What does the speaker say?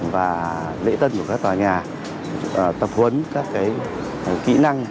và lễ tân của các tòa nhà tập huấn các kỹ năng